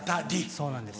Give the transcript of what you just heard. そうなんです。